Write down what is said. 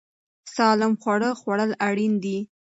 سالم خواړه خوړل اړین دي.